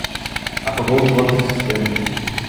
Apagou os logs do sistema.